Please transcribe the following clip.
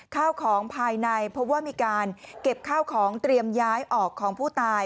ข้าวของภายในพบว่ามีการเก็บข้าวของเตรียมย้ายออกของผู้ตาย